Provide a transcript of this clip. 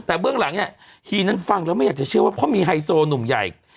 แต่เบื้องหลังเนี่ยฮีนั้นฟังแล้วไม่อยากจะเชื่อว่าเพราะมีไฮโซหนุ่มใหญ่